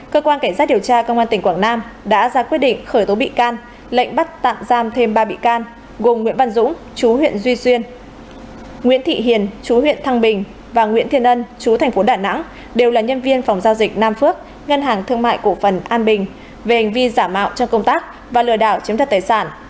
cơ quan cảnh sát điều tra công an tỉnh quảng nam đã ra quyết định khởi tố bị can lệnh bắt tạm giam thêm ba bị can gồm nguyễn văn dũng chú huyện duy xuyên nguyễn thị hiền chú huyện thăng bình và nguyễn thiên ân chú thành phố đà nẵng đều là nhân viên phòng giao dịch nam phước ngân hàng thương mại cổ phần an bình về hành vi giả mạo trong công tác và lừa đảo chiếm thật tài sản